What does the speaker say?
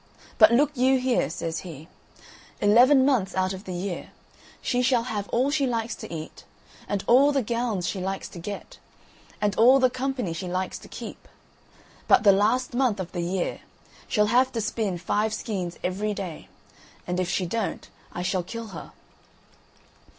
But look you here," says he, "eleven months out of the year she shall have all she likes to eat, and all the gowns she likes to get, and all the company she likes to keep; but the last month of the year she'll have to spin five skeins every day, and if she don't I shall kill her."